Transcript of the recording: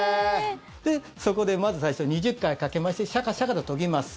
そこでまず最初２０回かき回してシャカシャカと研ぎます。